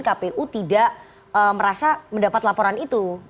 kpu tidak merasa mendapat laporan itu